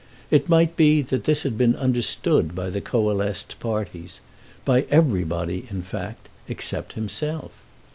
It might be that this had been understood by the coalesced parties, by everybody, in fact, except himself.